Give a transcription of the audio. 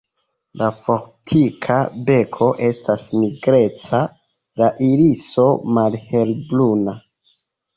La fortika beko estas nigreca, la iriso malhelbruna.